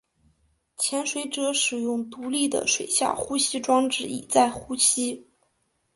潜水者使用独立的水下呼吸装置以在呼吸。